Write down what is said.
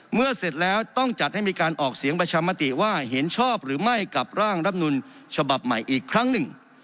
เสร็จแล้วต้องจัดให้มีการออกเสียงประชามติว่าเห็นชอบหรือไม่กับร่างรับนูลฉบับใหม่อีกครั้งหนึ่ง